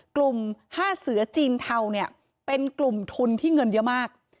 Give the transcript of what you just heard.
กลุ่ม๕เสือจีนเทาเนี่ยเป็นกลุ่มทุนที่เงินเยอะมาก